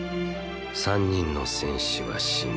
３人の戦士は死んだ。